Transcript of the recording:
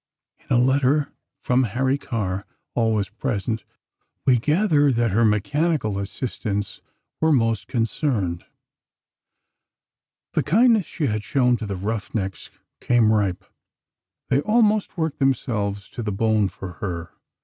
In a letter from Harry Carr, always present, we gather that her mechanical assistants were most concerned. The kindness she had shown to the rough necks came ripe. They almost worked themselves to the bone for her.